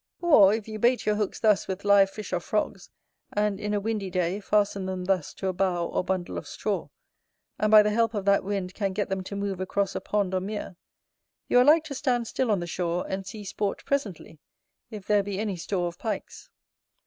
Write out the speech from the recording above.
Or if you bait your hooks thus with live fish or frogs, and in a windy day, fasten them thus to a bough or bundle of straw, and by the help of that wind can get them to move across a pond or mere, you are like to stand still on the shore and see sport presently, if there be any store of Pikes.